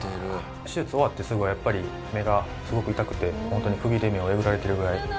手術終わってすぐはやっぱり目がすごく痛くてホントに釘で目をえぐられてるぐらい。